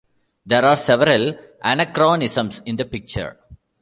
There are several anachronisms in the picture.